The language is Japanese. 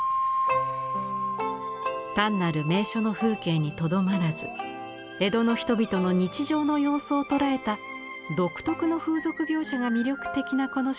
単なる名所の風景にとどまらず江戸の人々の日常の様子をとらえた独特の風俗描写が魅力的なこのシリーズ。